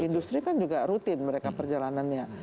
industri kan juga rutin mereka perjalanannya